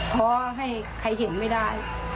ท้อให้ใครเห็นไม่ได้